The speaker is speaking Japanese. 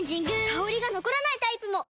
香りが残らないタイプも！